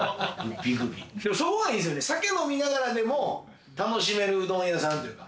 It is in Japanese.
酒飲みながらでも楽しめるうどん屋さんというか。